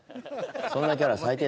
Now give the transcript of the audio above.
そんなキャラ最低